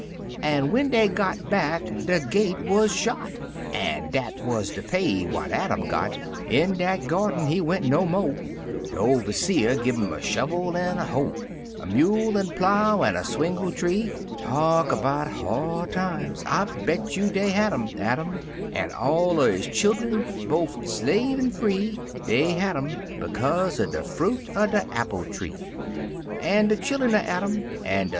An' when dey got back, de gate wuz shot, An' dat wuz de pay what Adam got In dat gyarden he went no mo'; De overseer gi' 'im a shovel an' a hoe, A mule an' plow, an' a swingletree. Talk about hard times I I bet you dey had 'em — Adam — An' all er his chillun, bofe slave an' free; Dey had 'em — Bekaze er de fruit er de Appile tree. "I'm kinder loptided an' pidjin loed.